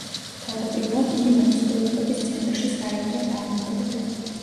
თავდაპირველად იგი მეფის ყურადღების ცენტრში საერთოდ არ მოხვედრილა.